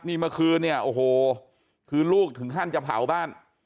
นี่เมื่อคืนเนี่ยโอ้โหคือลูกถึงขั้นจะเผาบ้าน